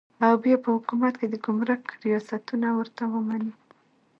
او بیا په حکومت کې د ګمرک ریاستونه ورته ومني.